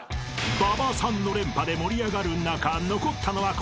［馬場さんの連覇で盛り上がる中残ったのはこちらの３人］